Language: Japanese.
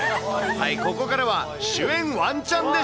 ここからは、主演ワンちゃんで賞。